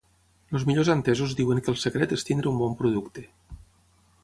Els millors entesos diuen que el secret és tenir un bon producte.